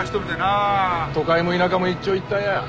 都会も田舎も一長一短や。